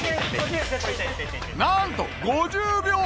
なんと５０秒！